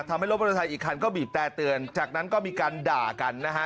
รถมอเตอร์ไซค์อีกคันก็บีบแต่เตือนจากนั้นก็มีการด่ากันนะฮะ